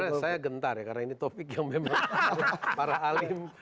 sebenarnya saya gentar ya karena ini topik yang memang para alim